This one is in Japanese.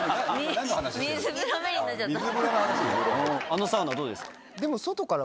あのサウナどうですか？